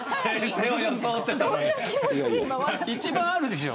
一番あるでしょ。